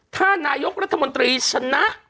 ถ้านายกรัฐมนตรีชนะ